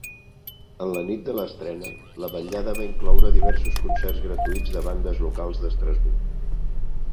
En la nit de l'estrena, la vetllada va incloure diversos concerts gratuïts de bandes locals d'Estrasbourg.